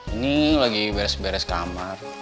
ini lagi beres beres kamar